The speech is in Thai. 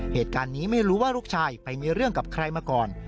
เหตุการณ์นี้ไม่รู้ว่าลูกชายไปมีเรื่องกับใครมาก่อน